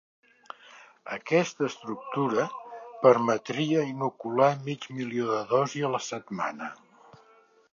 Aquesta estructura permetria inocular mig milió de dosi a la setmana.